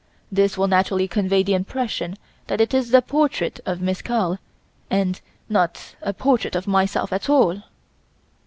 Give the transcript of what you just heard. This will naturally convey the impression that it is a portrait of Miss Carl, and not a portrait of myself at all."